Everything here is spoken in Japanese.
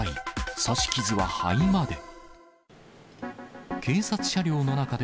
刺し傷は肺まで。